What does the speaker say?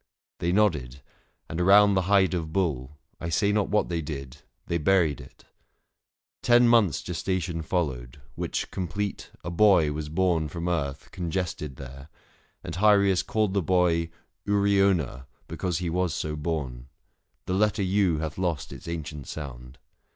They nodded : and around the hide of bull — I say not what they did — they buried it. 600 Ten months' gestation followed, which complete, A boy was born from earth congested there ; And Hyrieus called the boy Uriona, Because he was so born ; the letter IT Hath lost its ancient sound.